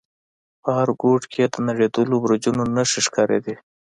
په هر گوټ کښې يې د نړېدلو برجونو نخښې ښکارېدې.